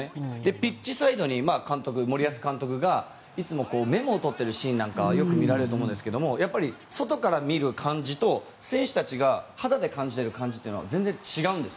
ピッチサイドに森保監督がいつもメモを取っているシーンなんかはよく見られると思うんですがやっぱり外から見る感じと選手たちが肌で感じている感じは全然違うんです。